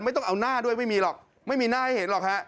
ไม่ต้องเอาหน้าด้วยไม่มีหรอกไม่มีหน้าให้เห็นหรอกฮะ